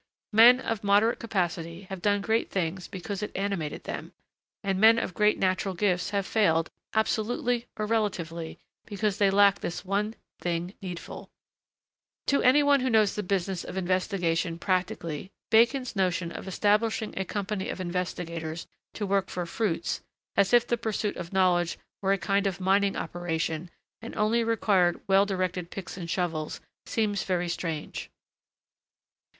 Men of moderate capacity have done great things because it animated them; and men of great natural gifts have failed, absolutely or relatively, because they lacked this one thing needful. [Sidenote: True aim and method of research.] To anyone who knows the business of investigation practically, Bacon's notion of establishing a company of investigators to work for 'fruits,' as if the pursuit of knowledge were a kind of mining operation and only required well directed picks and shovels, seems very strange.